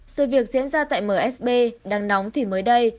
sự việc diễn ra tại msb đang nóng thì mới đây